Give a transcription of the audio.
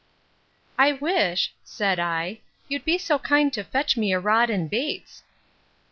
I wish, said I, you'd be so kind to fetch me a rod and baits.